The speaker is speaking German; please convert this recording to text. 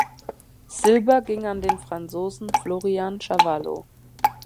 Silber ging an den Franzosen Florian Carvalho.